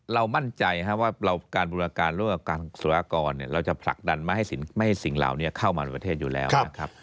เรามั่นใจว่าการบูรการร่วมกับการสุรากรเราจะผลักดันไม่ให้สิ่งเหล่านี้เข้ามาในประเทศอยู่แล้วนะครับ